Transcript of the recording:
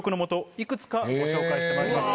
いくつかご紹介してまいります。